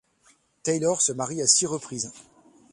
Taylor se marie à six reprises.